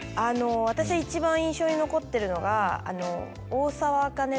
私が一番印象に残ってるのが。